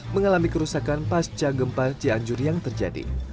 mengalami kerusakan pasca gempa cianjur yang terjadi